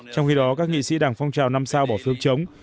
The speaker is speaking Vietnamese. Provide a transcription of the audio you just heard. trong khi đó các nghị sĩ đảng phong trào năm sao bỏ phiếu chống